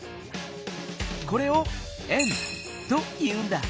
これを「円」と言うんだ。